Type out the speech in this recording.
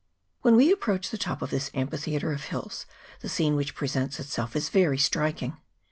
When we approach the top of this amphitheatre of hills, the scene which presents itself is very striking.